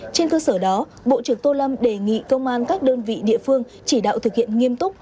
trên cơ sở đó bộ trưởng tô lâm đề nghị công an các đơn vị địa phương chỉ đạo thực hiện nghiêm túc